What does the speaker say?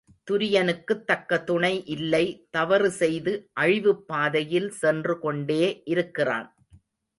துரியனுக்குத் தக்க துணை இல்லை தவறு செய்து அழிவுப்பாதையில் சென்று கொண்டே இருக்கிறான்.